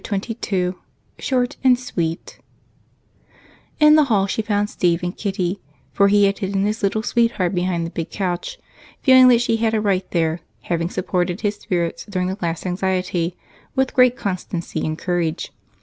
Chapter 22 SHORT AND SWEET In the hall she found Steve and Kitty, for he had hidden his little sweetheart behind the big couch, feeling that she had a right there, having supported his spirits during the late anxiety with great constancy and courage.